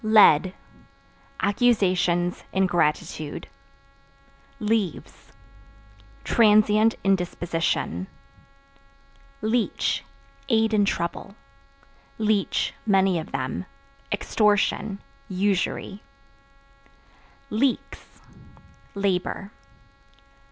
Lead Accusations, ingratitude. Leaves Transient indisposition. Leech Aid in trouble; (many of them) extortion, usury. Leeks Labor.